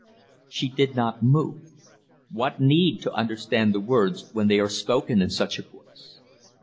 She did not move. What need to understand the words when they are spoken in such a voice?